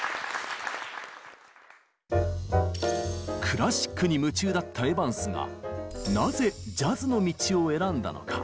クラシックに夢中だったエヴァンスがなぜジャズの道を選んだのか？